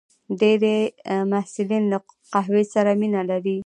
ډېری محصلین له قهوې سره مینه لري.